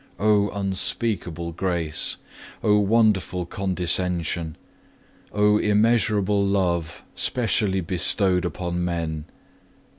O unspeakable grace! O wonderful condescension! O immeasurable love specially bestowed upon men!